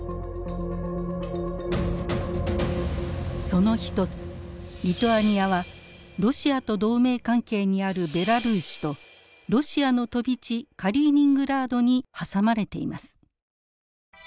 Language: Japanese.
その一つリトアニアはロシアと同盟関係にあるベラルーシとロシアの飛び地カリーニングラードに挟まれています。